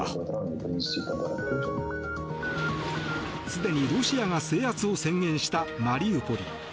すでにロシアが制圧を宣言したマリウポリ。